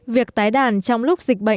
việc tái đàn trong lúc dịch bệnh